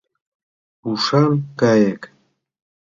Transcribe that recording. Ушан кайык.